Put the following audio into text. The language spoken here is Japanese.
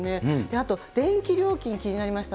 あと電気料金、気になりました。